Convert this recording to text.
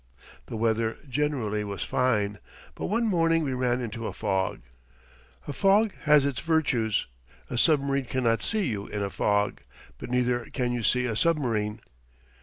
The weather generally was fine, but one morning we ran into a fog. A fog has its virtues; a submarine cannot see you in a fog. But neither can you see a submarine.